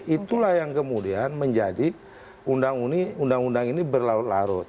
itulah yang kemudian menjadi undang undang ini berlarut larut